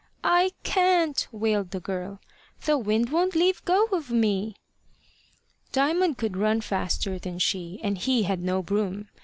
"I can't," wailed the girl, "the wind won't leave go of me." Diamond could run faster than she, and he had no broom.